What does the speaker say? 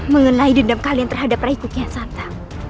mengenai dendam kalian terhadap raden kian santak